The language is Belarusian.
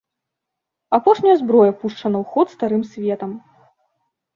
Апошняя зброя пушчана ў ход старым светам.